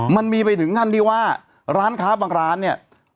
มันมีไปถึงขั้นที่ว่าร้านค้าบางร้านเนี่ย